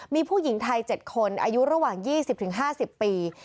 มีผู้หญิงไทย๗คนอายุระหว่าง๒๐๕๐ปี